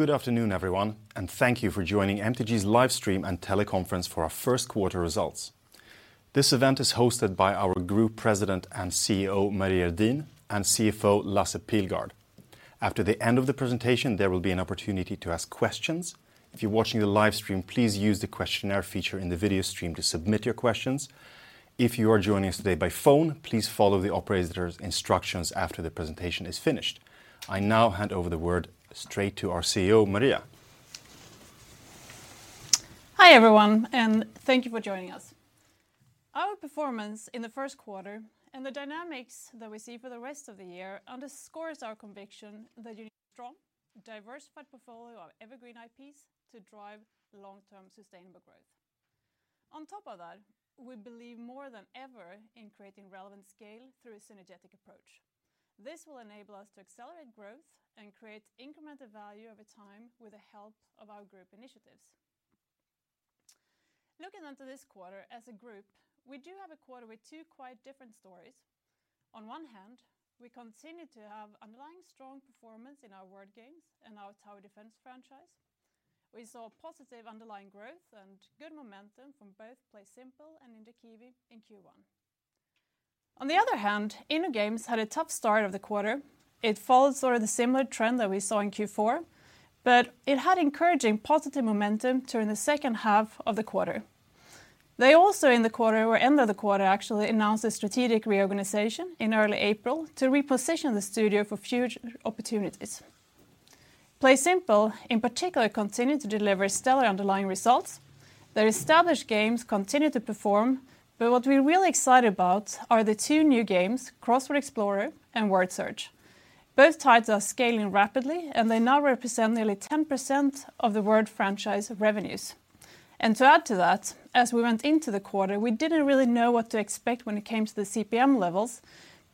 Good afternoon, everyone, thank you for joining MTG's live stream and teleconference for our first quarter results. This event is hosted by our Group President and CEO, Maria Redin, and CFO, Lasse Pilgaard. After the end of the presentation, there will be an opportunity to ask questions. If you're watching the live stream, please use the questionnaire feature in the video stream to submit your questions. If you are joining us today by phone, please follow the operator's instructions after the presentation is finished. I now hand over the word straight to our CEO, Maria. Hi, everyone, and thank you for joining us. Our performance in the first quarter and the dynamics that we see for the rest of the year underscores our conviction that you need a strong, diversified portfolio of evergreen IPs to drive long-term sustainable growth. On top of that, we believe more than ever in creating relevant scale through a synergetic approach. This will enable us to accelerate growth and create incremental value over time with the help of our group initiatives. Looking onto this quarter as a group, we do have a quarter with two quite different stories. On one hand, we continue to have underlying strong performance in our Word Games and our Tower Defense franchise. We saw positive underlying growth and good momentum from both PlaySimple and Ninja Kiwi in Q1. On the other hand, InnoGames had a tough start of the quarter. It followed sort of the similar trend that we saw in Q4, but it had encouraging positive momentum during the second half of the quarter. They also in the quarter, or end of the quarter, actually, announced a strategic reorganization in early April to reposition the studio for future opportunities. PlaySimple, in particular, continued to deliver stellar underlying results. Their established games continued to perform, but what we're really excited about are the two new games, Crossword Explorer and Word Search. Both titles are scaling rapidly, they now represent nearly 10% of the Word franchise revenues. To add to that, as we went into the quarter, we didn't really know what to expect when it came to the CPM levels,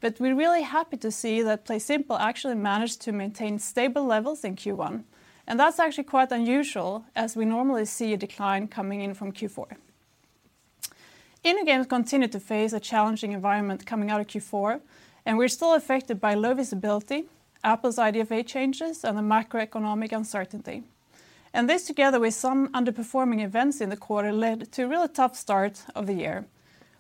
but we're really happy to see that PlaySimple actually managed to maintain stable levels in Q1. That's actually quite unusual as we normally see a decline coming in from Q4. InnoGames continued to face a challenging environment coming out of Q4, and we're still affected by low visibility, Apple's IDFA changes, and the macroeconomic uncertainty. This together with some underperforming events in the quarter led to a really tough start of the year.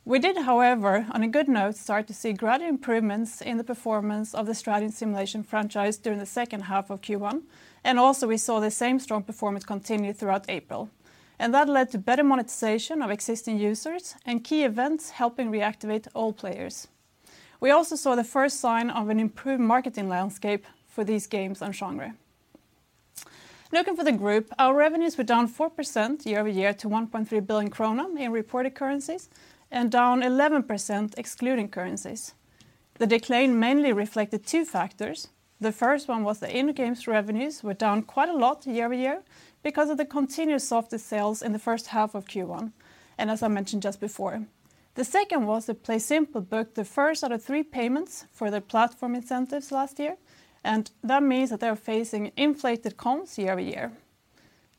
We did, however, on a good note, start to see gradual improvements in the performance of the Strategy & Simulation franchise during the second half of Q1, and also we saw the same strong performance continue throughout April. That led to better monetization of existing users and key events helping reactivate all players. We also saw the first sign of an improved marketing landscape for these games and genre. Looking for the group, our revenues were down 4% year-over-year to 1.3 billion kronor in reported currencies and down 11% excluding currencies. The decline mainly reflected two factors. The first one was the InnoGames revenues were down quite a lot year-over-year because of the continuous softer sales in the first half of Q1, and as I mentioned just before. The second was that PlaySimple booked the first out of three payments for their platform incentives last year, and that means that they are facing inflated comps year-over-year.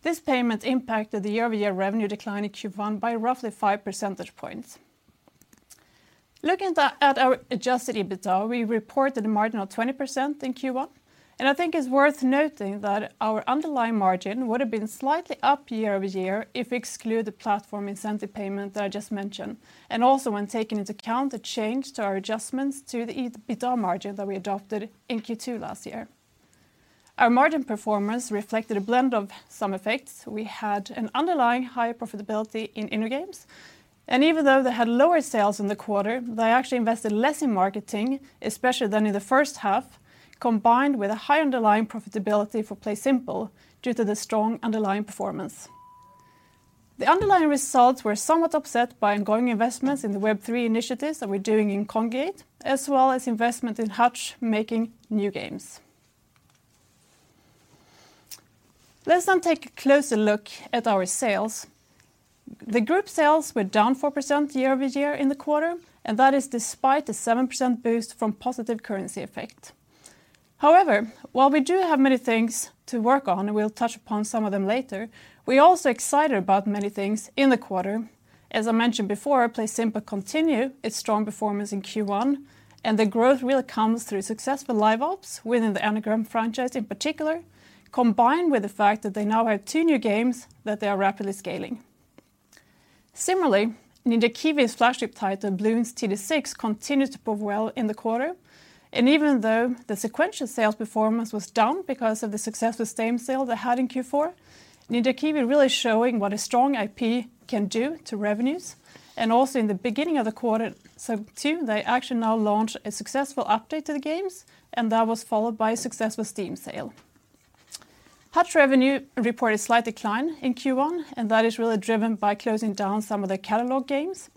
This payment impacted the year-over-year revenue decline in Q1 by roughly five percentage points. Looking at our adjusted EBITDA, we reported a margin of 20% in Q1. I think it's worth noting that our underlying margin would have been slightly up year-over-year if exclude the platform incentive payment that I just mentioned. Also when taking into account the change to our adjustments to the EBITDA margin that we adopted in Q2 last year. Our margin performance reflected a blend of some effects. We had an underlying high profitability in InnoGames, and even though they had lower sales in the quarter, they actually invested less in marketing, especially than in the first half, combined with a high underlying profitability for PlaySimple due to the strong underlying performance. The underlying results were somewhat upset by ongoing investments in the Web3 initiatives that we're doing in Kongregate, as well as investment in Hutch making new games. Let's now take a closer look at our sales. The group sales were down 4% year-over-year in the quarter, that is despite the 7% boost from positive currency effect. While we do have many things to work on, and we'll touch upon some of them later, we're also excited about many things in the quarter. As I mentioned before, PlaySimple continue its strong performance in Q1, and the growth really comes through successful live ops within the Anagram franchise in particular, combined with the fact that they now have two new games that they are rapidly scaling. Similarly, Ninja Kiwi's flagship title, Bloons TD 6, continued to perform well in the quarter. Even though the sequential sales performance was down because of the successful Steam sale they had in Q4, Ninja Kiwi really showing what a strong IP can do to revenues. Also in the beginning of the quarter, so too, they actually now launch a successful update to the games, and that was followed by a successful Steam sale. Hutch revenue reported a slight decline in Q1, that is really driven by closing down some of the catalog games.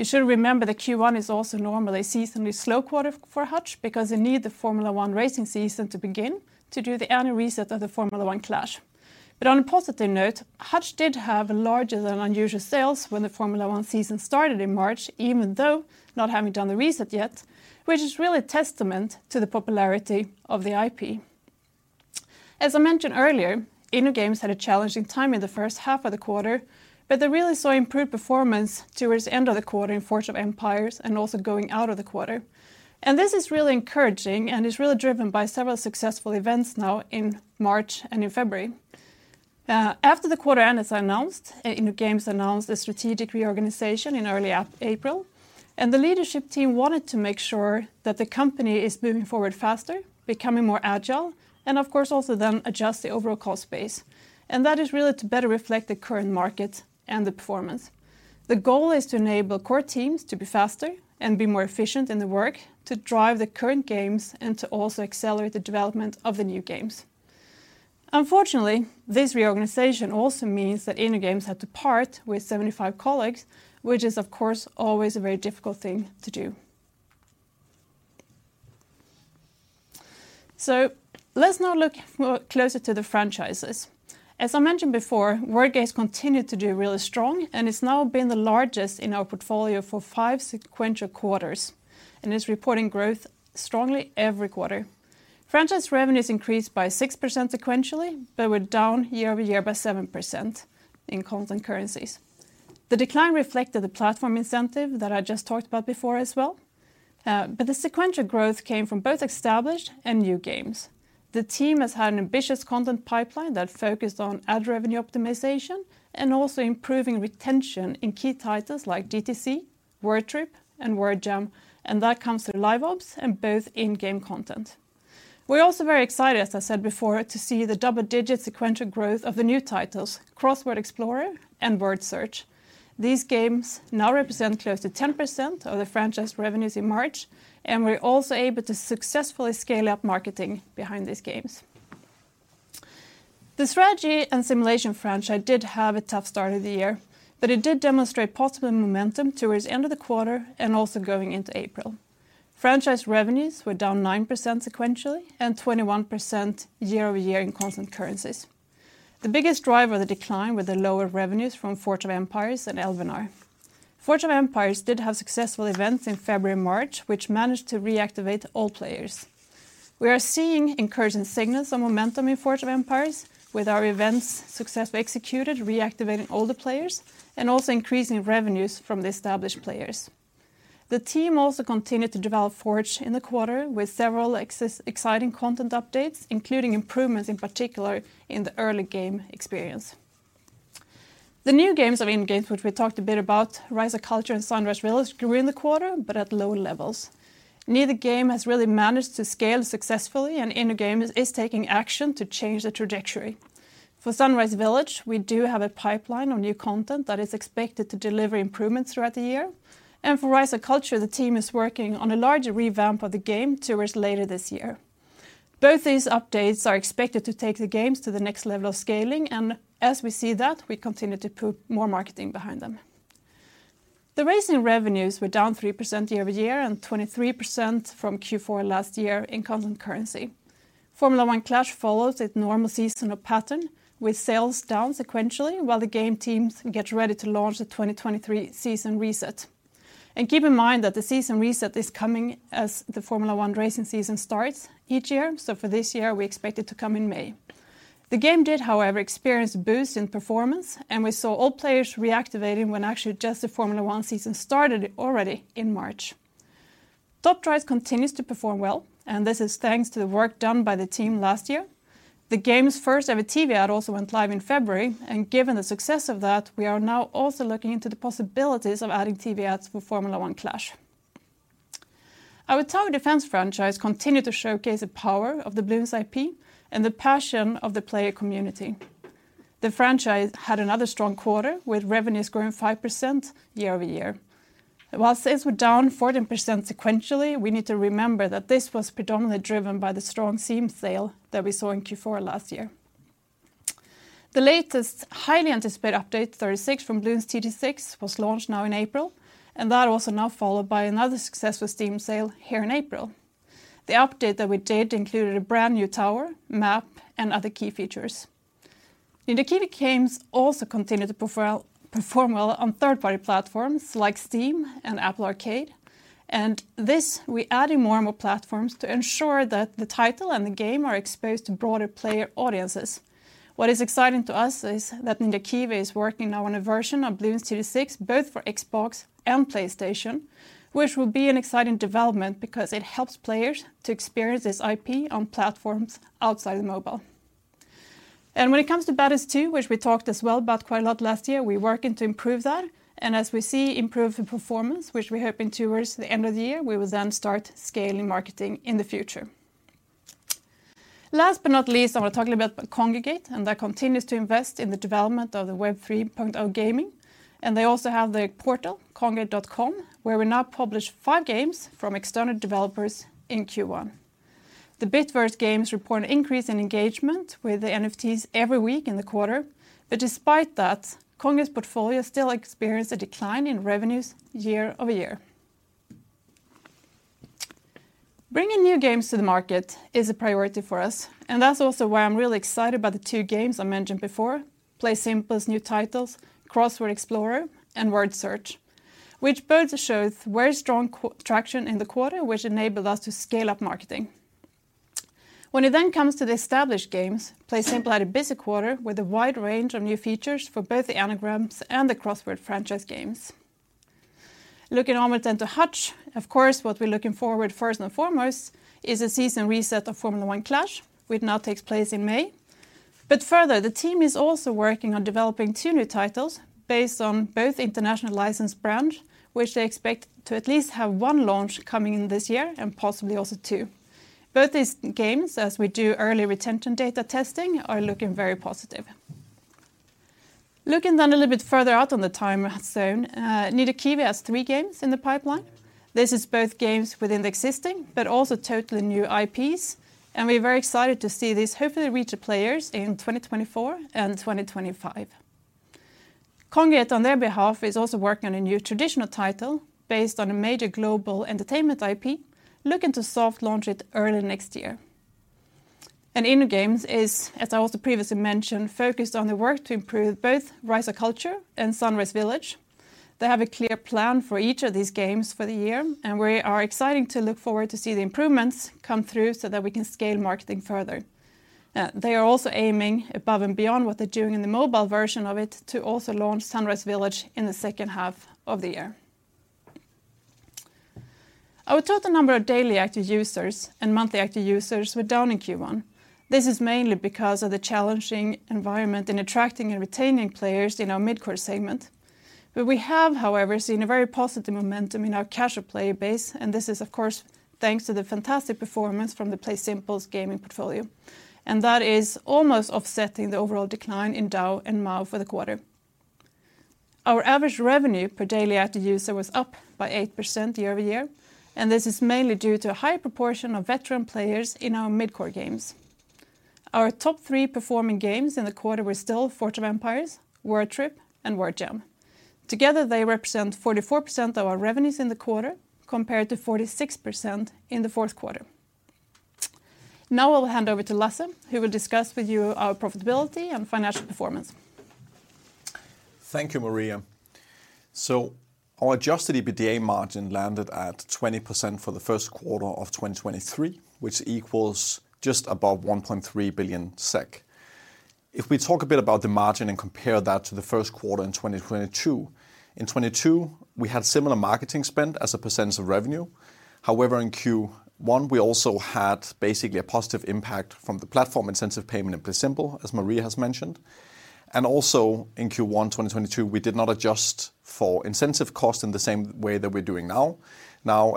You should remember that Q1 is also normally a seasonally slow quarter for Hutch because they need the Formula One racing season to begin to do the annual reset of the Formula One Clash. On a positive note, Hutch did have larger than unusual sales when the Formula One season started in March, even though not having done the reset yet, which is really a testament to the popularity of the IP. As I mentioned earlier, InnoGames had a challenging time in the first half of the quarter, but they really saw improved performance towards the end of the quarter in Forge of Empires and also going out of the quarter. This is really encouraging and is really driven by several successful events now in March and in February. After the quarter end is announced, InnoGames announced a strategic reorganization in early April. The leadership team wanted to make sure that the company is moving forward faster, becoming more agile, and of course also then adjust the overall cost base. That is really to better reflect the current market and the performance. The goal is to enable core teams to be faster and be more efficient in their work to drive the current games and to also accelerate the development of the new games. Unfortunately, this reorganization also means that InnoGames had to part with 75 colleagues, which is, of course, always a very difficult thing to do. Let's now look more closer to the franchises. As I mentioned before, Word Games continued to do really strong, and it's now been the largest in our portfolio for five sequential quarters and is reporting growth strongly every quarter. Franchise revenues increased by 6% sequentially, but were down year-over-year by 7% in constant currencies. The decline reflected the platform incentive that I just talked about before as well. The sequential growth came from both established and new games. The team has had an ambitious content pipeline that focused on ad revenue optimization and also improving retention in key titles like DTC, Word Trip, and Word Jam, and that comes through live ops and both in-game content. We're also very excited, as I said before, to see the double-digit sequential growth of the new titles, Crossword Explorer and Word Search. These games now represent close to 10% of the franchise revenues in March. We're also able to successfully scale up marketing behind these games. The Strategy and Simulation franchise did have a tough start of the year. It did demonstrate possible momentum towards end of the quarter and also going into April. Franchise revenues were down 9% sequentially and 21% year-over-year in constant currencies. The biggest driver of the decline were the lower revenues from Forge of Empires and Elvenar. Forge of Empires did have successful events in February and March, which managed to reactivate all players. We are seeing encouraging signals and momentum in Forge of Empires with our events successfully executed, reactivating all the players and also increasing revenues from the established players. The team also continued to develop Forge in the quarter with several exciting content updates, including improvements in particular in the early game experience. The new games of InnoGames, which we talked a bit about, Rise of Cultures and Sunrise Village grew in the quarter but at low levels. Neither game has really managed to scale successfully, and InnoGames is taking action to change the trajectory. For Sunrise Village, we do have a pipeline of new content that is expected to deliver improvements throughout the year. For Rise of Cultures, the team is working on a larger revamp of the game towards later this year. Both these updates are expected to take the games to the next level of scaling, and as we see that, we continue to put more marketing behind them. The racing revenues were down 3% year-over-year and 23% from Q4 last year in constant currency. Formula One Clash follows its normal seasonal pattern with sales down sequentially while the game teams get ready to launch the 2023 season reset. Keep in mind that the season reset is coming as the Formula One racing season starts each year. For this year, we expect it to come in May. The game did, however, experience a boost in performance, and we saw all players reactivating when actually just the Formula One season started already in March. Top Drives continues to perform well, this is thanks to the work done by the team last year. The game's first-ever TV ad also went live in February, and given the success of that, we are now also looking into the possibilities of adding TV ads for Formula 1 Clash. Our Tower Defense franchise continued to showcase the power of the Bloons IP and the passion of the player community. The franchise had another strong quarter with revenues growing 5% year-over-year. While sales were down 14% sequentially, we need to remember that this was predominantly driven by the strong Steam sale that we saw in Q4 last year. The latest highly anticipated update, 36, from Bloons TD 6 was launched now in April. That was now followed by another successful Steam sale here in April. The update that we did included a brand-new tower, map, and other key features. Ninja Kiwi games also continued to perform well on third-party platforms like Steam and Apple Arcade. This we add in more and more platforms to ensure that the title and the game are exposed to broader player audiences. What is exciting to us is that Ninja Kiwi is working now on a version of Bloons TD 6 both for Xbox and PlayStation, which will be an exciting development because it helps players to experience this IP on platforms outside mobile. When it comes to Bad Ass 2, which we talked as well about quite a lot last year, we're working to improve that. As we see improved performance, which we're hoping towards the end of the year, we will then start scaling marketing in the future. Last but not least, I want to talk a little bit about Kongregate. They continues to invest in the development of the Web 3.0 gaming, and they also have the portal, kongregate.com, where we now publish five games from external developers in Q1. The Bitverse games report an increase in engagement with the NFTs every week in the quarter. Despite that, Kongregate's portfolio still experienced a decline in revenues year-over-year. Bringing new games to the market is a priority for us. That's also why I'm really excited about the two games I mentioned before, PlaySimple's new titles, Crossword Explorer and Word Search, which both shows very strong traction in the quarter, which enabled us to scale up marketing. When it comes to the established games, PlaySimple had a busy quarter with a wide range of new features for both the Anagrams and the Crossword franchise games. Looking onward to Hutch, of course, what we're looking forward first and foremost is a season reset of Formula One Clash, which now takes place in May. Further, the team is also working on developing two new titles based on both international licensed brand, which they expect to at least have one launch coming in this year and possibly also two. Both these games, as we do early retention data testing, are looking very positive. Looking a little bit further out on the timeline soon, Ninja Kiwi has three games in the pipeline. This is both games within the existing, but also totally new IPs, and we're very excited to see this hopefully reach the players in 2024 and 2025. Kongregate, on their behalf, is also working on a new traditional title based on a major global entertainment IP, looking to soft launch it early next year. InnoGames is, as I also previously mentioned, focused on the work to improve both Rise of Culture and Sunrise Village. They have a clear plan for each of these games for the year, and we are excited to look forward to see the improvements come through so that we can scale marketing further. They are also aiming above and beyond what they're doing in the mobile version of it to also launch Sunrise Village in the second half of the year. Our total number of daily active users and monthly active users were down in Q1. This is mainly because of the challenging environment in attracting and retaining players in our mid-core segment. We have, however, seen a very positive momentum in our casual player base. This is of course, thanks to the fantastic performance from the PlaySimple's gaming portfolio. That is almost offsetting the overall decline in DAU and MAU for the quarter. Our average revenue per daily active user was up by 8% year-over-year. This is mainly due to a high proportion of veteran players in our mid-core games. Our top three performing games in the quarter were still Forge of Empires, Word Trip, and Word Jam. Together, they represent 44% of our revenues in the quarter, compared to 46% in the fourth quarter. Now I'll hand over to Lasse, who will discuss with you our profitability and financial performance. Thank you, Maria. Our adjusted EBITDA margin landed at 20% for the first quarter of 2023, which equals just above 1.3 billion SEK. We talk a bit about the margin and compare that to the first quarter in 2022, in 2022, we had similar marketing spend as a percentage of revenue. However, in Q1, we also had basically a positive impact from the platform incentive payment in PlaySimple, as Maria has mentioned. Also in Q1 2022, we did not adjust for incentive cost in the same way that we're doing now.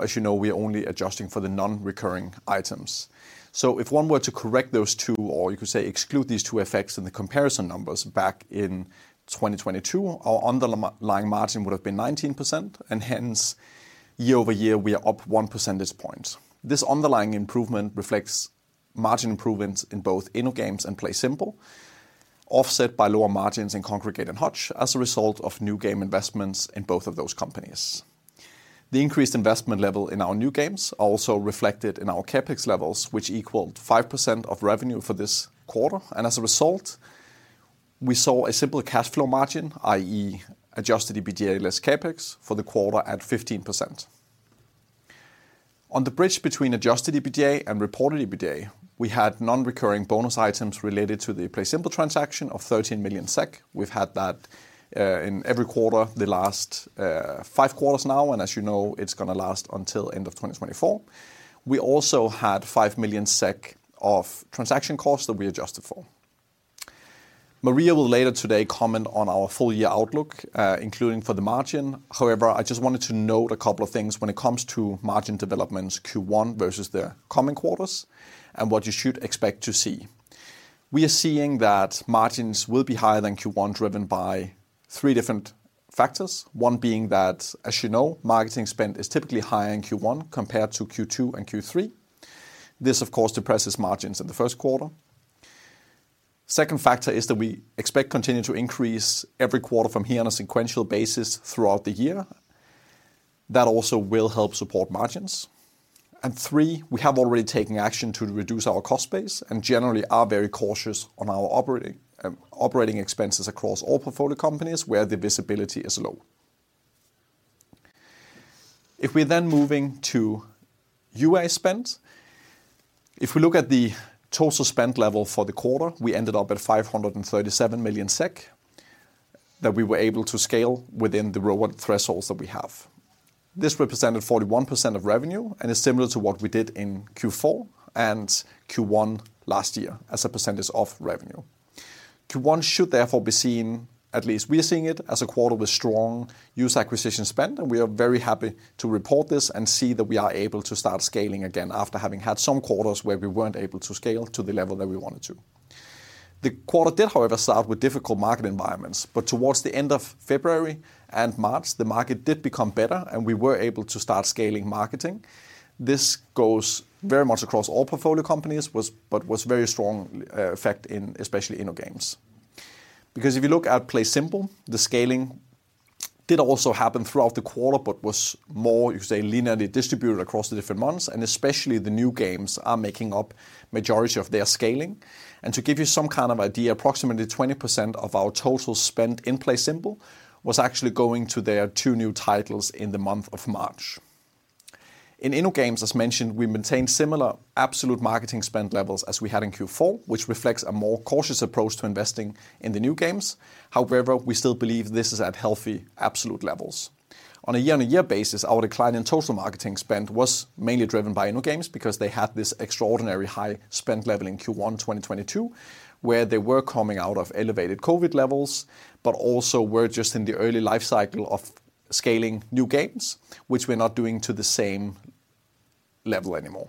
As you know, we are only adjusting for the non-recurring items. If one were to correct those two, or you could say exclude these two effects in the comparison numbers back in 2022, our underlying margin would have been 19%, and hence year-over-year, we are up 1 percentage point. This underlying improvement reflects margin improvements in both InnoGames and PlaySimple, offset by lower margins in Kongregate and Hutch as a result of new game investments in both of those companies. The increased investment level in our new games are also reflected in our CapEx levels, which equaled 5% of revenue for this quarter. As a result, we saw a simple cash flow margin, i.e. adjusted EBITDA less CapEx for the quarter at 15%. On the bridge between adjusted EBITDA and reported EBITDA, we had non-recurring bonus items related to the PlaySimple transaction of 13 million SEK. We've had that in every quarter the last five quarters now. As you know, it's gonna last until end of 2024. We also had 5 million SEK of transaction costs that we adjusted for. Maria will later today comment on our full-year outlook, including for the margin. I just wanted to note a couple of things when it comes to margin developments Q1 versus the coming quarters and what you should expect to see. We are seeing that margins will be higher than Q1, driven by three different factors. One being that, as you know, marketing spend is typically higher in Q1 compared to Q2 and Q3. This, of course, depresses margins in the first quarter. Second factor is that we expect continue to increase every quarter from here on a sequential basis throughout the year. Also will help support margins. Three, we have already taken action to reduce our cost base and generally are very cautious on our operating expenses across all portfolio companies where the visibility is low. If we're moving to UA spend, if we look at the total spend level for the quarter, we ended up at 537 million SEK that we were able to scale within the ROAS thresholds that we have. This represented 41% of revenue, it's similar to what we did in Q4 and Q1 last year as a percentage of revenue. Q1 should therefore be seen, at least we are seeing it, as a quarter with strong user acquisition spend. We are very happy to report this and see that we are able to start scaling again after having had some quarters where we weren't able to scale to the level that we wanted to. The quarter did, however, start with difficult market environments, but towards the end of February and March, the market did become better, and we were able to start scaling marketing. This goes very much across all portfolio companies but was very strong effect in especially InnoGames. If you look at PlaySimple, the scaling did also happen throughout the quarter but was more, you could say, linearly distributed across the different months, and especially the new games are making up majority of their scaling. To give you some kind of idea, approximately 20% of our total spend in PlaySimple was actually going to their two new titles in the month of March. In InnoGames, as mentioned, we maintain similar absolute marketing spend levels as we had in Q4, which reflects a more cautious approach to investing in the new games. However, we still believe this is at healthy absolute levels. On a year-on-year basis, our decline in total marketing spend was mainly driven by InnoGames because they had this extraordinary high spend level in Q1 2022, where they were coming out of elevated COVID levels, but also were just in the early life cycle of scaling new games, which we're not doing to the same level anymore.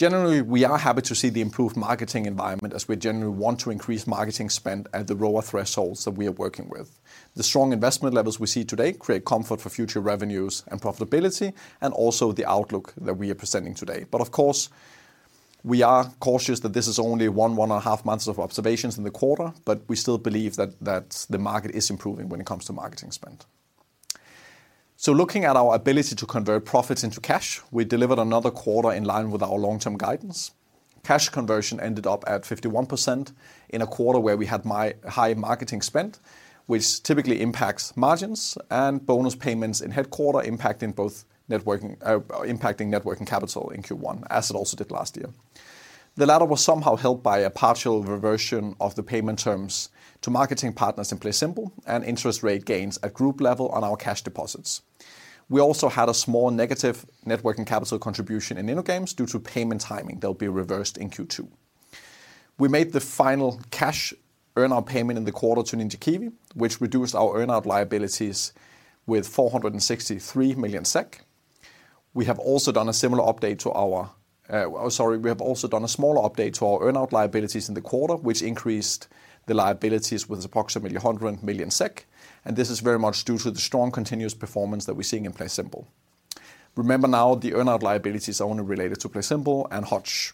We are happy to see the improved marketing environment as we generally want to increase marketing spend at the lower thresholds that we are working with. The strong investment levels we see today create comfort for future revenues and profitability and also the outlook that we are presenting today. Of course, we are cautious that this is only one and a half months of observations in the quarter, we still believe that the market is improving when it comes to marketing spend. Looking at our ability to convert profits into cash, we delivered another quarter in line with our long-term guidance. Cash conversion ended up at 51% in a quarter where we had high marketing spend, which typically impacts margins and bonus payments in headquarter, impacting net working capital in Q1, as it also did last year. The latter was somehow helped by a partial reversion of the payment terms to marketing partners in PlaySimple and interest rate gains at group level on our cash deposits. We also had a small negative net working capital contribution in InnoGames due to payment timing that will be reversed in Q2. We made the final cash earn-out payment in the quarter to Ninja Kiwi, which reduced our earn-out liabilities with 463 million SEK. We have also done a smaller update to our earn-out liabilities in the quarter, which increased the liabilities with approximately 100 million SEK. This is very much due to the strong continuous performance that we're seeing in PlaySimple. Remember now the earn-out liability is only related to PlaySimple and Hutch.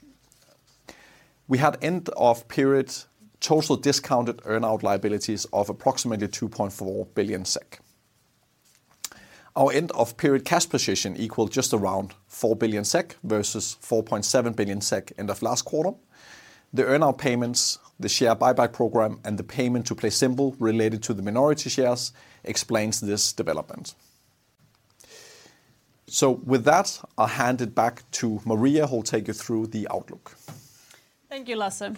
We had end-of-period total discounted earn-out liabilities of approximately 2.4 billion SEK. Our end-of-period cash position equal just around 4 billion SEK versus 4.7 billion SEK end of last quarter. The earn-out payments, the share buyback program, and the payment to PlaySimple related to the minority shares explains this development. With that, I'll hand it back to Maria, who will take you through the outlook. Thank you, Lasse.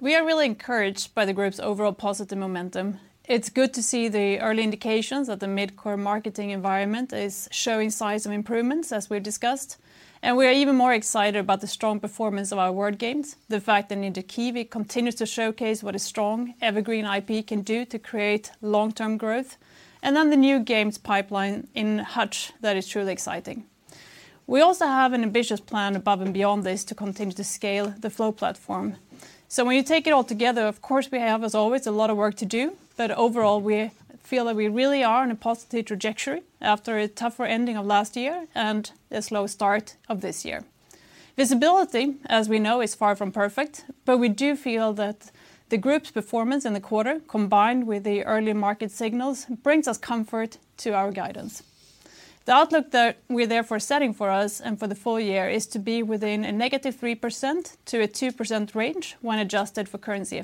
We are really encouraged by the group's overall positive momentum. It's good to see the early indications that the mid-core marketing environment is showing signs of improvements as we discussed. We are even more excited about the strong performance of our Word Games. The fact that Ninja Kiwi continues to showcase what a strong evergreen IP can do to create long-term growth, and then the new games pipeline in Hutch, that is truly exciting. We also have an ambitious plan above and beyond this to continue to scale the Flow platform. When you take it all together, of course, we have, as always, a lot of work to do. Overall, we feel that we really are on a positive trajectory after a tougher ending of last year and a slow start of this year. Visibility, as we know, is far from perfect, but we do feel that the group's performance in the quarter, combined with the early market signals, brings us comfort to our guidance. The outlook that we're therefore setting for us and for the full year is to be within a -3% to 2% range when adjusted for currency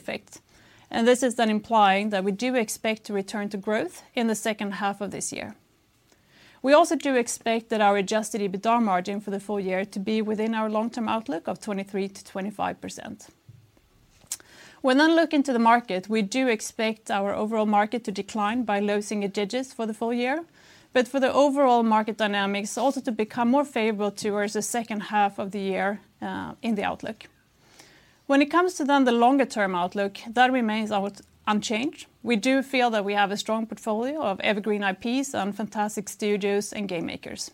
effects. This is implying that we do expect to return to growth in the second half of this year. We also do expect that our adjusted EBITDA margin for the full year to be within our long-term outlook of 23%-25%. When looking to the market, we do expect our overall market to decline by low single digits for the full year, but for the overall market dynamics also to become more favorable towards the second half of the year in the outlook. When it comes to the longer-term outlook, that remains unchanged. We do feel that we have a strong portfolio of evergreen IPs and fantastic studios and game makers.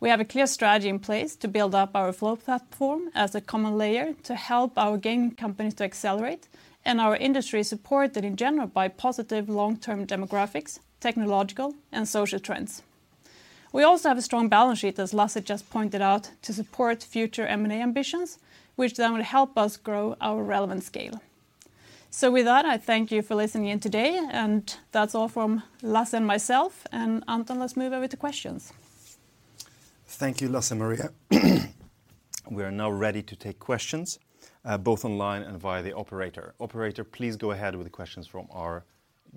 We have a clear strategy in place to build up our Flow platform as a common layer to help our game companies to accelerate and our industry supported in general by positive long-term demographics, technological, and social trends. We also have a strong balance sheet, as Lasse just pointed out, to support future M&A ambitions, which then will help us grow our relevant scale. With that, I thank you for listening in today, and that's all from Lasse and myself. Anton, let's move over to questions. Thank you, Lasse and Maria. We are now ready to take questions, both online and via the operator. Operator, please go ahead with the questions from our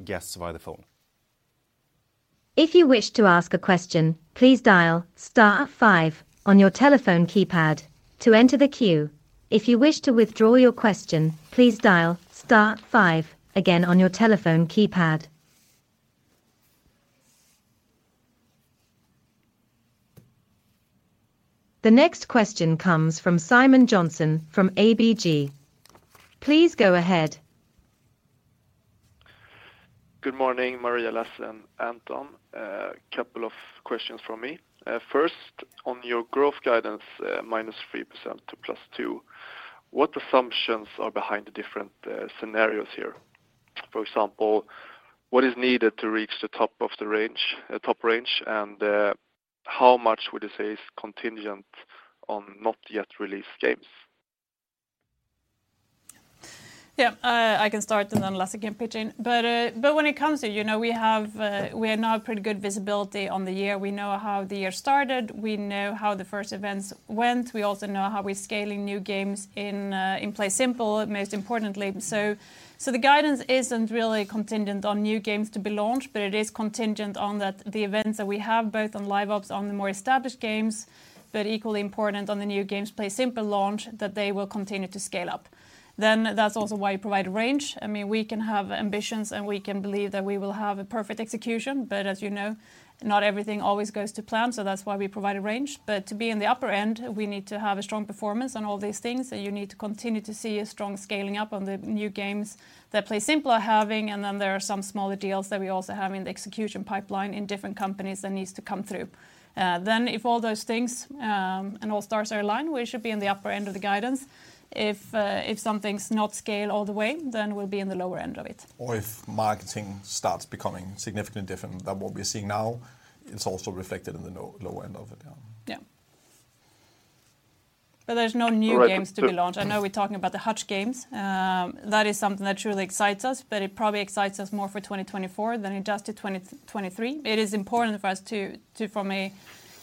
guests via the phone. If you wish to ask a question, please dial star five on your telephone keypad to enter the queue. If you wish to withdraw your question, please dial star five again on your telephone keypad. The next question comes from Simon Jönsson from ABG. Please go ahead. Good morning, Maria, Lasse, and Anton. A couple of questions from me. First, on your growth guidance, -3% to +2%, what assumptions are behind the different scenarios here? For example, what is needed to reach the top of the range, how much would you say is contingent on not yet released games? Yeah, I can start and then Lasse can pitch in. When it comes to, you know, we have now pretty good visibility on the year. We know how the year started, we know how the first events went. We also know how we're scaling new games in PlaySimple, most importantly. So the guidance isn't really contingent on new games to be launched, but it is contingent on that the events that we have both on live ops on the more established games, but equally important on the new games PlaySimple launch, that they will continue to scale up. That's also why you provide a range. We can have ambitions, and we can believe that we will have a perfect execution, as you know, not everything always goes to plan, so that's why we provide a range. To be in the upper end, we need to have a strong performance on all these things, and you need to continue to see a strong scaling up on the new games that PlaySimple are having. There are some smaller deals that we also have in the execution pipeline in different companies that needs to come through. If all those things, and all stars are aligned, we should be in the upper end of the guidance. If something's not scaled all the way, then we'll be in the lower end of it. If marketing starts becoming significantly different than what we're seeing now, it's also reflected in the lower end of it, yeah. Yeah. There's no new games to be launched. I know we're talking about the Hutch games. That is something that truly excites us, but it probably excites us more for 2024 than it does to 2023. It is important for us to from a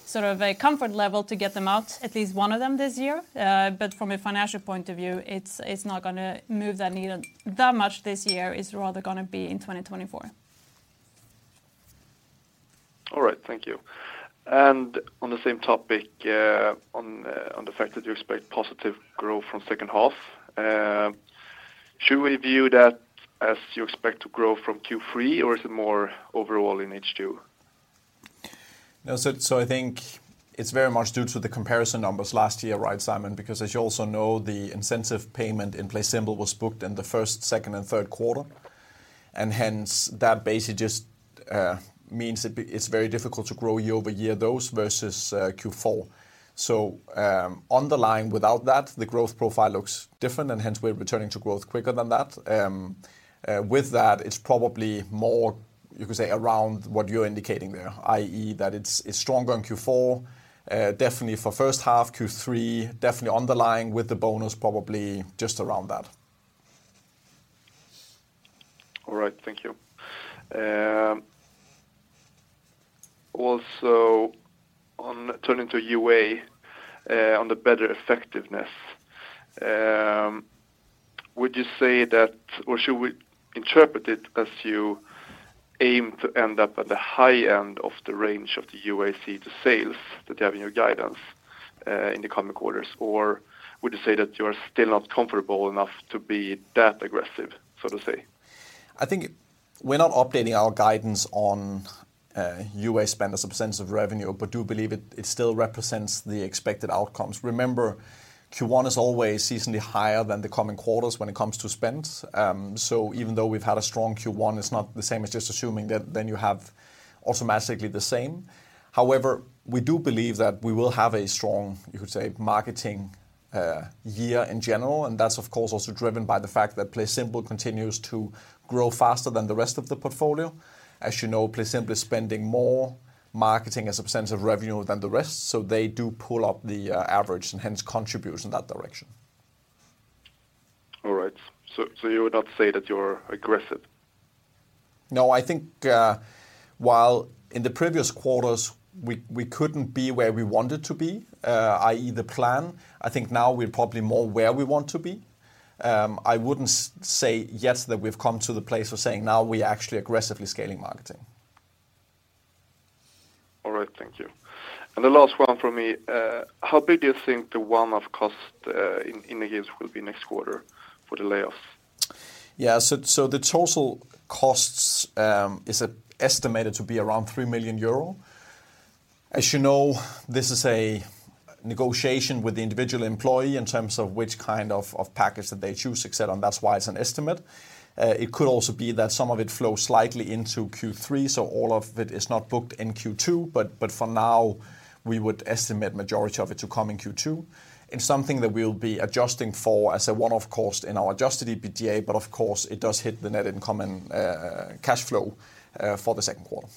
sort of a comfort level to get them out, at least one of them this year. From a financial point of view, it's not gonna move that needle that much this year. It's rather gonna be in 2024. All right. Thank you. On the same topic, on the fact that you expect positive growth from second half, should we view that as you expect to grow from Q3, or is it more overall in H2? I think it's very much due to the comparison numbers last year, right, Simon? Because as you also know, the incentive payment in PlaySimple was booked in the first, second and third quarter. Hence that basically just means it's very difficult to grow year-over-year those versus Q4. On the line without that, the growth profile looks different and hence we're returning to growth quicker than that. With that, it's probably more, you could say around what you're indicating there, i.e., that it's stronger in Q4. Definitely for first half Q3, definitely underlying with the bonus, probably just around that. All right, thank you. Also on turning to UA, on the better effectiveness, would you say that or should we interpret it as you aim to end up at the high end of the range of the UAC, the sales that you have in your guidance, in the coming quarters? Or would you say that you're still not comfortable enough to be that aggressive, so to say? I think we're not updating our guidance on UA spend as a % of revenue, but do believe it still represents the expected outcomes. Remember, Q1 is always seasonally higher than the coming quarters when it comes to spend. Even though we've had a strong Q1, it's not the same as just assuming that then you have automatically the same. However, we do believe that we will have a strong, you could say, marketing year in general, and that's of course also driven by the fact that PlaySimple continues to grow faster than the rest of the portfolio. As you know, PlaySimple is spending more marketing as a percent of revenue than the rest, so they do pull up the average and hence contributes in that direction. You would not say that you're aggressive? I think, while in the previous quarters we couldn't be where we wanted to be, i.e., the plan, I think now we're probably more where we want to be. I wouldn't say yet that we've come to the place of saying now we are actually aggressively scaling marketing. All right, thank you. The last one from me. How big do you think the one-off cost in the years will be next quarter for the layoffs? The total costs is estimated to be around 3 million euro. As you know, this is a negotiation with the individual employee in terms of which kind of package that they choose, et cetera, and that's why it's an estimate. It could also be that some of it flows slightly into Q3, so all of it is not booked in Q2, but for now, we would estimate majority of it to come in Q2. It's something that we'll be adjusting for as a one-off cost in our adjusted EBITDA, but of course it does hit the net in common cash flow for the second quarter.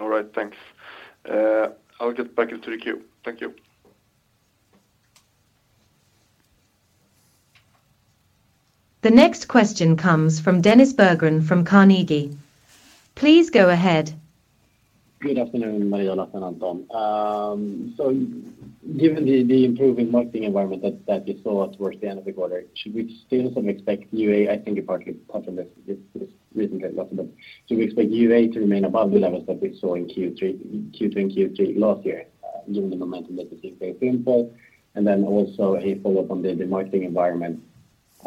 All right, thanks. I'll get back into the queue. Thank you. The next question comes from Dennis Berggren from Carnegie. Please go ahead. Good afternoon, Maria, Lasse, and Anton. Given the improving marketing environment that you saw towards the end of the quarter, should we still sort of expect UA, I think you partly mentioned this recently, Lasse, but should we expect UA to remain above the levels that we saw in Q3, Q2 and Q3 last year, given the momentum that you see in PlaySimple? Also a follow-up on the marketing environment.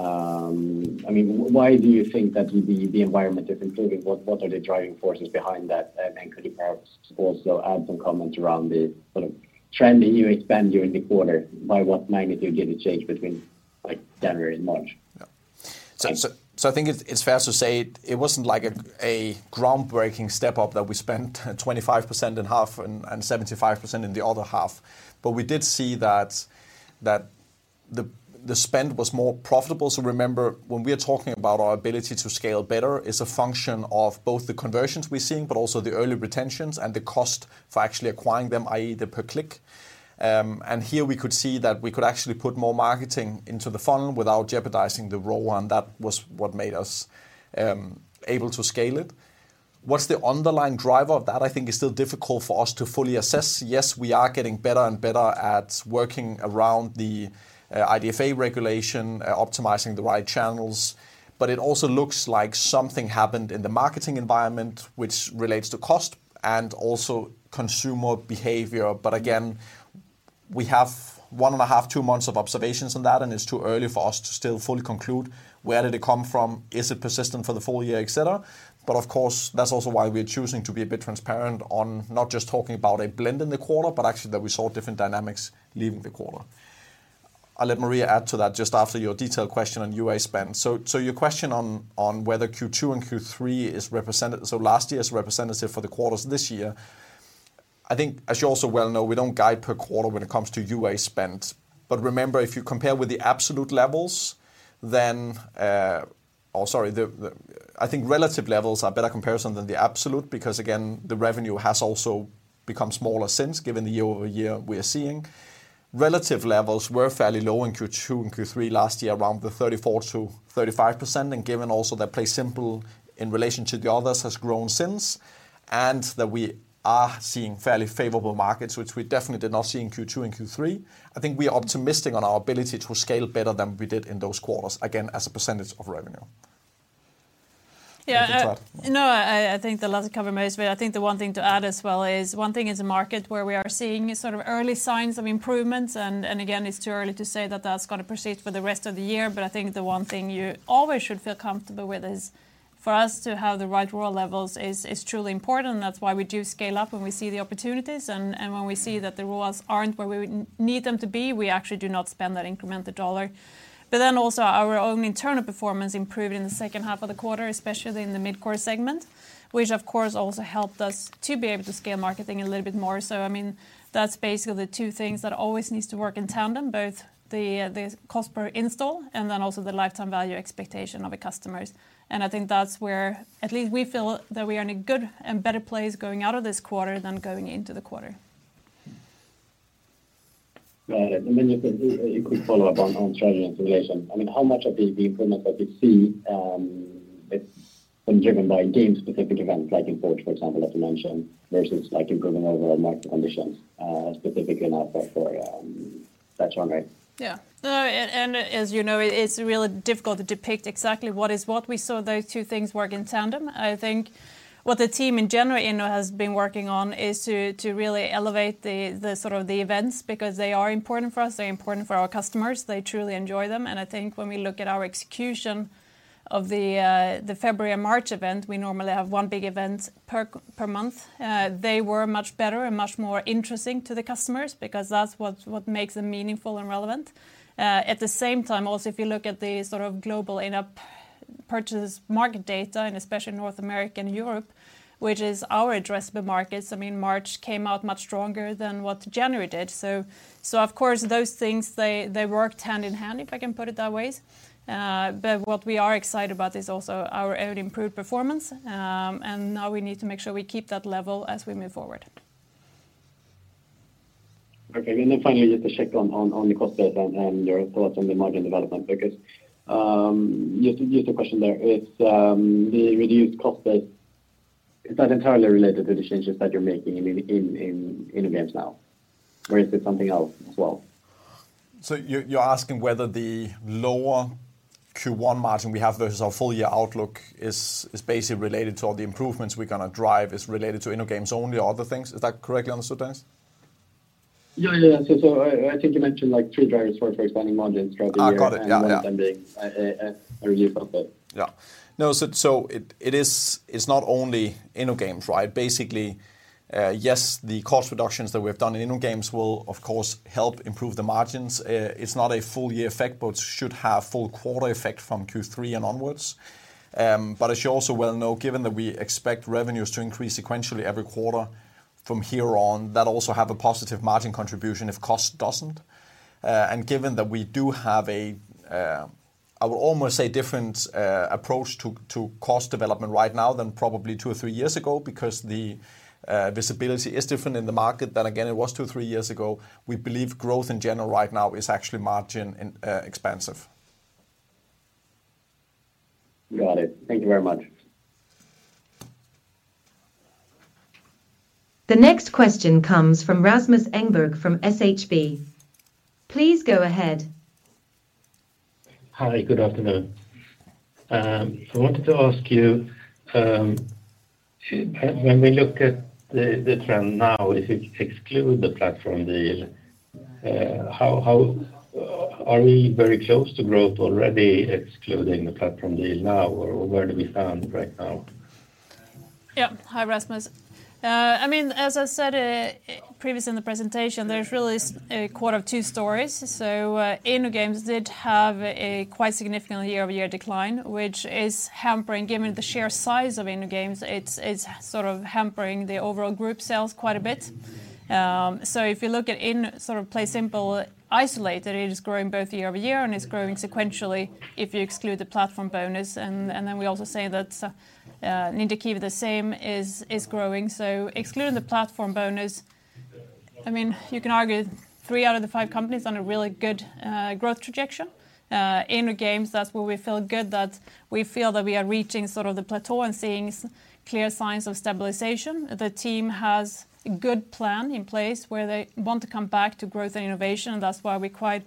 I mean, why do you think that the environment is improving? What are the driving forces behind that? Could you perhaps also add some comments around the sort of trend in UA spend during the quarter? By what magnitude did it change between, like, January and March? Yeah. I think it's fair to say it wasn't like a groundbreaking step up that we spent 25% in half and 75% in the other half. We did see that the spend was more profitable. Remember, when we are talking about our ability to scale better is a function of both the conversions we're seeing, but also the early retentions and the cost for actually acquiring them, i.e. the per click. Here we could see that we could actually put more marketing into the funnel without jeopardizing the ROAS, and that was what made us able to scale it. What's the underlying driver of that, I think is still difficult for us to fully assess. Yes, we are getting better and better at working around the IDFA regulation, optimizing the right channels. It also looks like something happened in the marketing environment which relates to cost and also consumer behavior. Again, we have one and a half, two months of observations on that, and it's too early for us to still fully conclude where did it come from, is it persistent for the full year, et cetera. Of course, that's also why we are choosing to be a bit transparent on not just talking about a blend in the quarter, but actually that we saw different dynamics leaving the quarter. I'll let Maria add to that just after your detailed question on UA spend. Your question on whether Q2 and Q3 last year is representative for the quarters this year. I think as you also well know, we don't guide per quarter when it comes to UA spend. Remember, if you compare with the absolute levels, then. Oh, sorry. The, I think relative levels are better comparison than the absolute, because again, the revenue has also become smaller since, given the year-over-year we are seeing. Relative levels were fairly low in Q2 and Q3 last year, around the 34%-35%. Given also that PlaySimple in relation to the others has grown since, and that we are seeing fairly favorable markets, which we definitely did not see in Q2 and Q3, I think we are optimistic on our ability to scale better than we did in those quarters, again, as a percentage of revenue. Yeah. Over to you, Todd. No, I think the last covered most. I think the one thing to add as well is one thing is a market where we are seeing sort of early signs of improvements, and again, it's too early to say that that's gonna proceed for the rest of the year. I think the one thing you always should feel comfortable with is for us to have the right ROAS levels is truly important. That's why we do scale up when we see the opportunities and when we see that the ROAS aren't where we would need them to be, we actually do not spend that increment, the dollar. Also our own internal performance improved in the second half of the quarter, especially in the mid-core segment, which of course also helped us to be able to scale marketing a little bit more. I mean, that's basically the two things that always needs to work in tandem, both the cost per install and then also the lifetime value expectation of the customers. I think that's where at least we feel that we are in a good and better place going out of this quarter than going into the quarter. Got it. Just a quick follow-up on strategy and simulation. I mean, how much of the improvements that we see, it's been driven by game-specific events like in Forge, for example, that you mentioned, versus like improvement of our market conditions, specifically in our platform. Is that right? Yeah. No, as you know, it's really difficult to depict exactly what is what. We saw those two things work in tandem. I think what the team in general, you know, has been working on is to really elevate the sort of the events, because they are important for us, they're important for our customers, they truly enjoy them. I think when we look at our execution of the February and March event, we normally have 1 big event per month. They were much better and much more interesting to the customers because that's what makes them meaningful and relevant. At the same time also, if you look at the sort of global in-app purchase market data, and especially North America and Europe, which is our addressable markets, I mean, March came out much stronger than what January did. Of course, those things, they worked hand in hand, if I can put it that ways. What we are excited about is also our own improved performance. Now we need to make sure we keep that level as we move forward. Okay. Finally, just to check on the cost base and your thoughts on the margin development, because just a question there. If the reduced cost base, is that entirely related to the changes that you're making in InnoGames now? Or is it something else as well? You're asking whether the lower Q1 margin we have versus our full-year outlook is basically related to all the improvements we're gonna drive, is related to InnoGames only or other things. Is that correctly understood, Hans? Yeah. Yeah. I think you mentioned like three drivers for expanding margins throughout the year. got it. Yeah. Yeah. One of them being, a reduced cost base. No, it is, it's not only InnoGames, right? Basically, yes, the cost reductions that we have done in InnoGames will of course help improve the margins. It's not a full year effect, but should have full quarter effect from Q3 and onwards. As you also well know, given that we expect revenues to increase sequentially every quarter from here on, that'll also have a positive margin contribution if cost doesn't. Given that we do have a, I would almost say different approach to cost development right now than probably two or three years ago, because the visibility is different in the market than again it was two, three years ago. We believe growth in general right now is actually margin and expansive. Got it. Thank you very much. The next question comes from Rasmus Engberg from SHB. Please go ahead. Hi, good afternoon. I wanted to ask you, When we look at the trend now, if you exclude the platform deal, how, are we very close to growth already excluding the platform deal now? Or where do we stand right now? Hi, Rasmus. I mean, as I said, previously in the presentation, there's really a quarter of two stories. InnoGames did have a quite significant year-over-year decline, which is hampering, given the sheer size of InnoGames, it's sort of hampering the overall group sales quite a bit. If you look at in sort of PlaySimple isolated, it is growing both year-over-year, and it's growing sequentially if you exclude the platform bonus. Then we also say that Ninja Kiwi is growing. Excluding the platform bonus, I mean, you can argue three out of the five companies on a really good growth trajectory. InnoGames, that's where we feel good that we feel that we are reaching sort of the plateau and seeing clear signs of stabilization. The team has a good plan in place where they want to come back to growth and innovation. That's why we're quite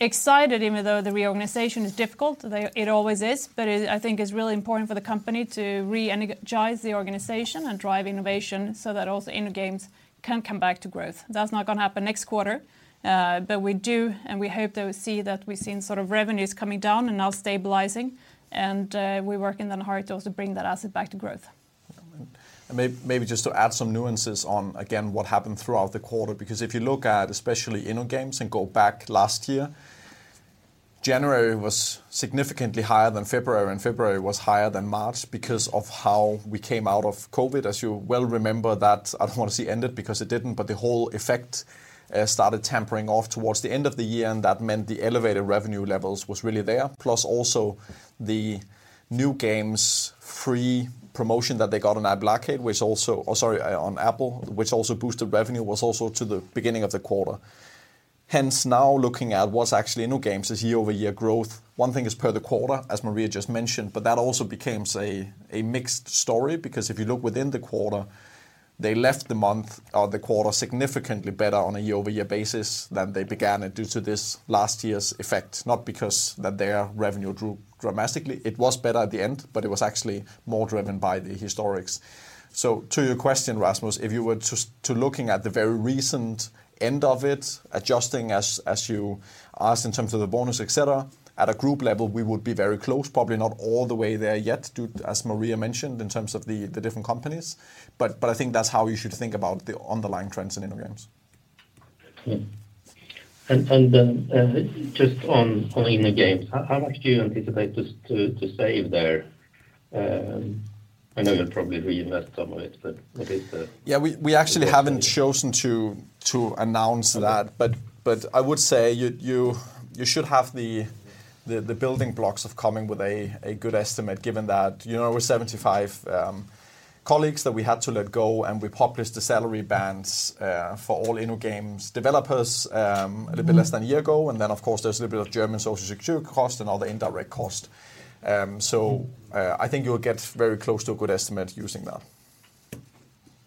excited, even though the reorganization is difficult. It always is. I think it's really important for the company to re-energize the organization and drive innovation so that also InnoGames can come back to growth. That's not gonna happen next quarter, but we do, and we hope they will see that we've seen sort of revenues coming down and now stabilizing. We're working then hard to also bring that asset back to growth. Maybe just to add some nuances on again, what happened throughout the quarter, because if you look at especially InnoGames and go back last year, January was significantly higher than February, and February was higher than March because of how we came out of COVID. You well remember that, I don't want to say ended because it didn't, but the whole effect started tampering off towards the end of the year, and that meant the elevated revenue levels was really there. Also the new games free promotion that they got on iPad, sorry, on Apple, which also boosted revenue, was also to the beginning of the quarter. Now looking at what's actually InnoGames is year-over-year growth. One thing is per the quarter, as Maria just mentioned, that also became, say, a mixed story because if you look within the quarter, they left the month or the quarter significantly better on a year-over-year basis than they began it due to this last year's effect, not because that their revenue grew dramatically. It was better at the end, it was actually more driven by the historics. To your question, Rasmus, if you were to looking at the very recent end of it, adjusting as you asked in terms of the bonus, et cetera, at a group level, we would be very close, probably not all the way there yet due, as Maria mentioned, in terms of the different companies. I think that's how you should think about the underlying trends in InnoGames. Then, just on InnoGames, how much do you anticipate to save there? I know you'll probably reinvest some of it, but maybe Yeah, we actually haven't chosen to announce that. I would say you should have the building blocks of coming with a good estimate, given that, you know, over 75 colleagues that we had to let go, and we published the salary bands for all InnoGames developers. Mm-hmm... a little bit less than a year ago. Then, of course, there's a little bit of German Social Security cost and all the indirect cost. Mm-hmm I think you'll get very close to a good estimate using that.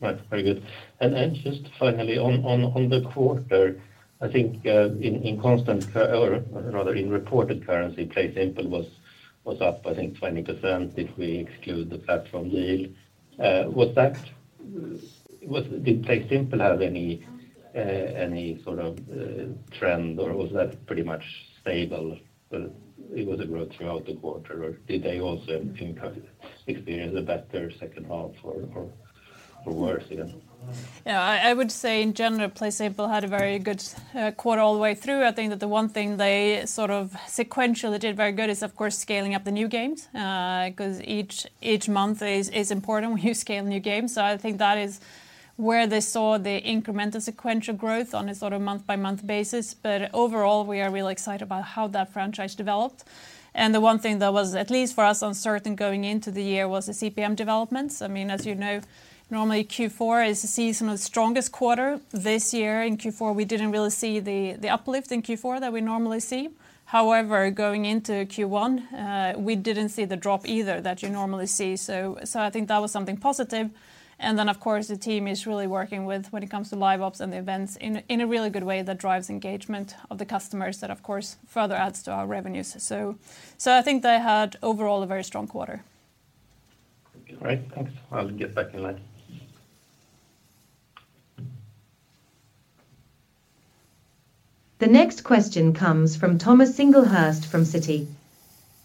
Right. Very good. Then just finally on the quarter, I think, in constant or rather in reported currency, PlaySimple was up, I think, 20% if we exclude the platform deal. Was that Did PlaySimple have any sort of trend, or was that pretty much stable? It was a growth throughout the quarter, or did they also experience a better second half or worse even? I would say in general, PlaySimple had a very good quarter all the way through. I think that the one thing they sort of sequentially did very good is, of course, scaling up the new games, 'cause each month is important when you scale new games. I think that is where they saw the incremental sequential growth on a sort of month-by-month basis. Overall, we are really excited about how that franchise developed. The one thing that was, at least for us, uncertain going into the year was the CPM developments. I mean, as you know, normally Q4 is seen some of the strongest quarter. This year in Q4, we didn't really see the uplift in Q4 that we normally see. Going into Q1, we didn't see the drop either that you normally see. I think that was something positive. Then, of course, the team is really working with when it comes to live ops and the events in a really good way that drives engagement of the customers. That, of course, further adds to our revenues. I think they had overall a very strong quarter. All right, thanks. I'll get back in line. The next question comes from Thomas Singlehurst from Citi.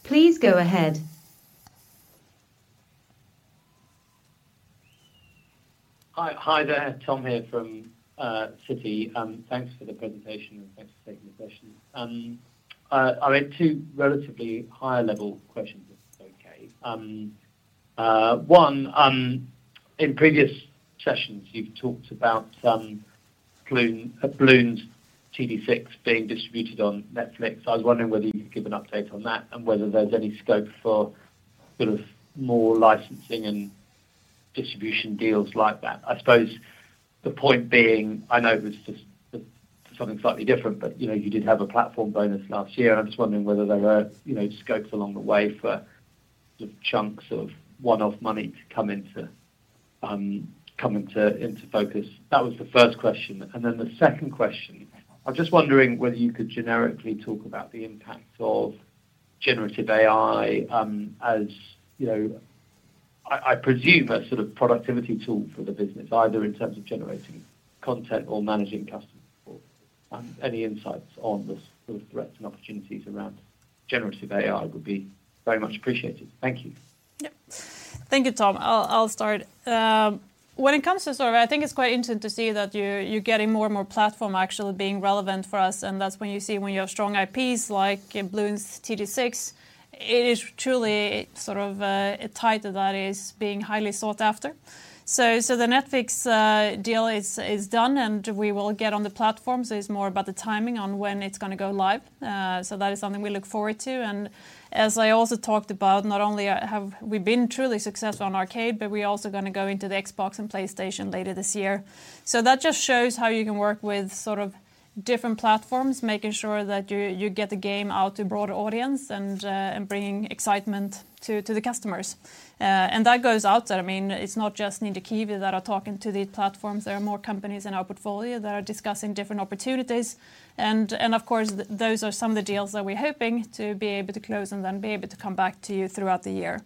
Please go ahead. Hi. Hi there. Tom here from Citi. Thanks for the presentation and thanks for taking the questions. I have two relatively higher level questions, if that's okay. One, in previous sessions, you've talked about Bloons TD 6 being distributed on Netflix. I was wondering whether you could give an update on that and whether there's any scope for sort of more licensing and distribution deals like that. I suppose the point being, I know it was just something slightly different, but, you know, you did have a platform bonus last year. I'm just wondering whether there were, you know, scopes along the way for sort of chunks of one-off money to come into focus. That was the first question. The second question, I'm just wondering whether you could generically talk about the impact of generative AI, as you know, I presume a sort of productivity tool for the business, either in terms of generating content or managing customer support, any insights on the sort of threats and opportunities around that? Generative AI would be very much appreciated. Thank you. Yep. Thank you, Tom. I'll start. When it comes to sort of I think it's quite interesting to see that you're getting more and more platform actually being relevant for us, that's when you see when you have strong IPs like Bloons TD 6, it is truly sort of a title that is being highly sought after. The Netflix deal is done, and we will get on the platform, so it's more about the timing on when it's gonna go live. That is something we look forward to. As I also talked about, not only have we been truly successful on Arcade, but we're also gonna go into the Xbox and PlayStation later this year. That just shows how you can work with sort of different platforms, making sure that you get the game out to broader audience and bringing excitement to the customers. And that goes out. I mean, it's not just Ninja Kiwi that are talking to these platforms. There are more companies in our portfolio that are discussing different opportunities and of course, those are some of the deals that we're hoping to be able to close and then be able to come back to you throughout the year.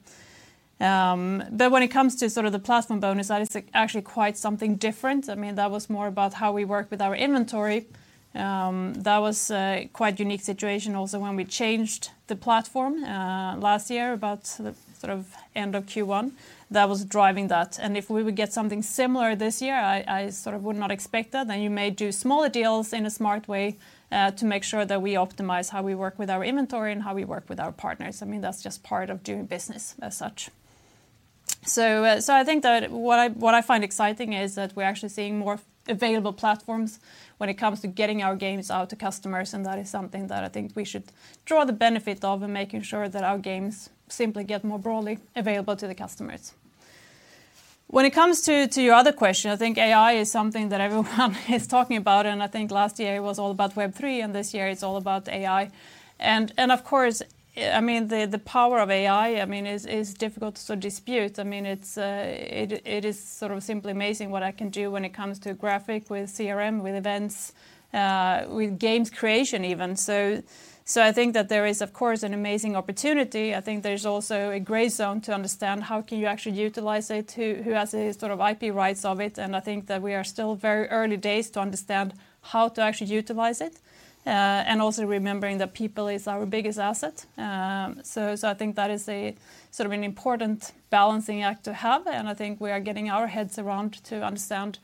When it comes to sort of the platform bonus, that is actually quite something different. I mean, that was more about how we work with our inventory. That was a quite unique situation also when we changed the platform last year about the sort of end of Q1 that was driving that. If we would get something similar this year, I sort of would not expect that. You may do smaller deals in a smart way to make sure that we optimize how we work with our inventory and how we work with our partners. I mean, that's just part of doing business as such. I think that what I find exciting is that we're actually seeing more available platforms when it comes to getting our games out to customers, and that is something that I think we should draw the benefit of in making sure that our games simply get more broadly available to the customers. When it comes to your other question, I think AI is something that everyone is talking about, and I think last year it was all about Web3, and this year it's all about AI. Of course, I mean, the power of AI, I mean, is difficult to dispute. I mean, it is sort of simply amazing what I can do when it comes to graphic with CRM, with events, with games creation even. I think that there is, of course, an amazing opportunity. I think there's also a gray zone to understand how can you actually utilize it, who has the sort of IP rights of it. I think that we are still very early days to understand how to actually utilize it, and also remembering that people is our biggest asset. I think that is a sort of an important balancing act to have, and I think we are getting our heads around to understand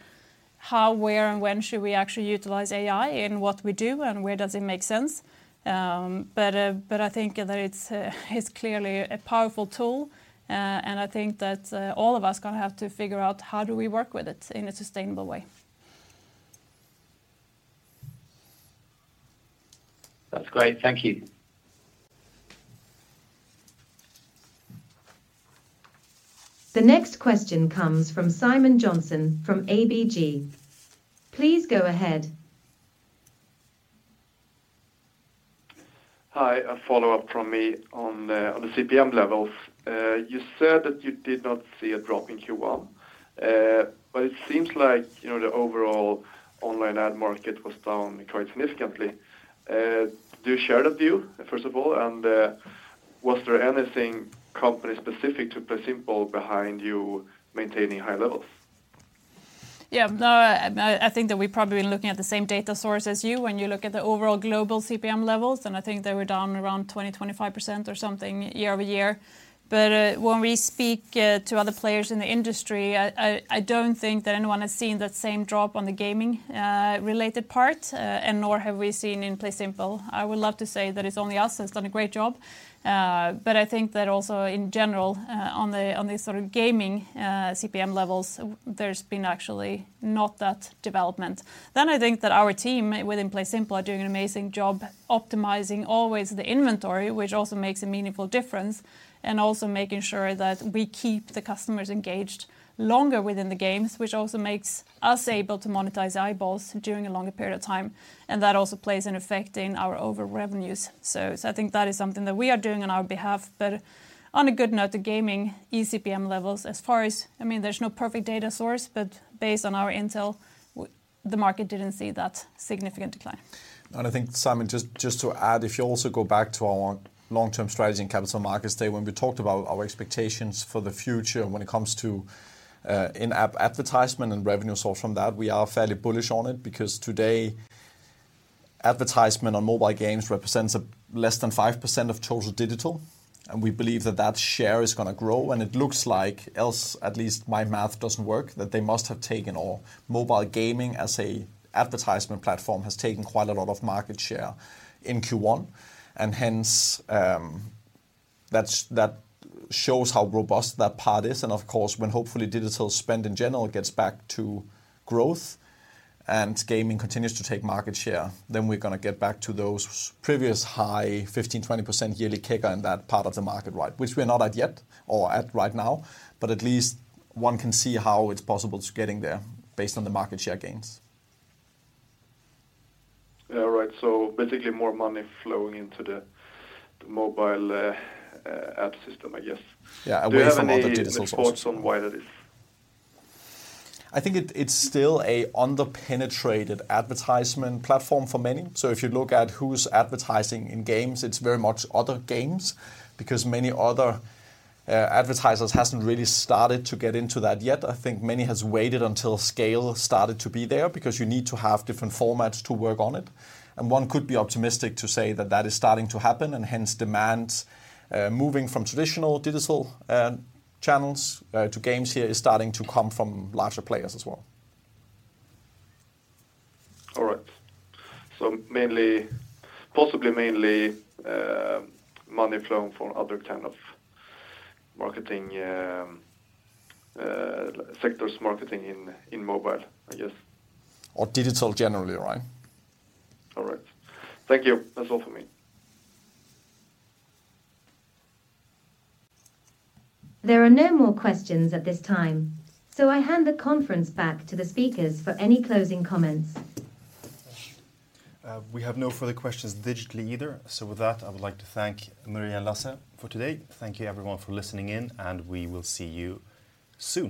how, where, and when should we actually utilize AI in what we do and where does it make sense. I think that it's clearly a powerful tool, and I think that all of us gonna have to figure out how do we work with it in a sustainable way. That's great. Thank you. The next question comes from Simon Jönsson from ABG. Please go ahead. Hi. A follow-up from me on the, on the CPM levels. You said that you did not see a drop in Q1, it seems like, you know, the overall online ad market was down quite significantly. Do you share that view, first of all, and was there anything company-specific to PlaySimple behind you maintaining high levels? Yeah. No, I think that we've probably been looking at the same data source as you when you look at the overall global CPM levels, and I think they were down around 20-25% or something year-over-year. When we speak to other players in the industry, I don't think that anyone has seen that same drop on the gaming-related part, and nor have we seen in PlaySimple. I would love to say that it's only us that's done a great job, but I think that also in general, on the, on the sort of gaming CPM levels, there's been actually not that development. I think that our team within PlaySimple are doing an amazing job optimizing always the inventory, which also makes a meaningful difference, and also making sure that we keep the customers engaged longer within the games, which also makes us able to monetize eyeballs during a longer period of time, and that also plays an effect in our over revenues. I think that is something that we are doing on our behalf. On a good note, the gaming eCPM levels as far as, I mean, there's no perfect data source, but based on our intel, the market didn't see that significant decline. I think, Simon, just to add, if you also go back to our long-term strategy in capital markets day when we talked about our expectations for the future when it comes to in-app advertising and revenue source from that, we are fairly bullish on it because today advertisement on mobile games represents a less than 5% of total digital, and we believe that that share is gonna grow. It looks like else, at least my math doesn't work, that they must have taken or mobile gaming as a advertisement platform has taken quite a lot of market share in Q1, and hence, that shows how robust that part is. Of course, when hopefully digital spend in general gets back to growth and gaming continues to take market share, then we're going to get back to those previous high 15%-20% yearly CAGR in that part of the market, right? We are not at yet or at right now, but at least one can see how it's possible to getting there based on the market share gains. Yeah. Right. Basically more money flowing into the mobile ad system, I guess. Yeah. Away from other digital sources. Do you have any thoughts on why that is? I think it's still a under-penetrated advertisement platform for many. If you look at who's advertising in games, it's very much other games because many other advertisers hasn't really started to get into that yet. Many has waited until scale started to be there because you need to have different formats to work on it. One could be optimistic to say that that is starting to happen. Hence demand moving from traditional digital channels to games here is starting to come from larger players as well. All right. possibly mainly, money flowing from other kind of marketing, sectors marketing in mobile, I guess. Digital generally, right. All right. Thank you. That's all for me. There are no more questions at this time. I hand the conference back to the speakers for any closing comments. We have no further questions digitally either. With that, I would like to thank Maria and Lasse for today. Thank you everyone for listening in, and we will see you soon.